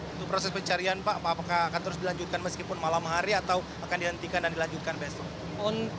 untuk proses pencarian pak apakah akan terus dilanjutkan meskipun malam hari atau akan dihentikan dan dilanjutkan besok